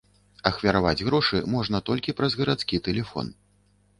Ахвяраваць грошы можна толькі праз гарадскі тэлефон.